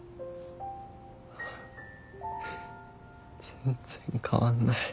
全然変わんない。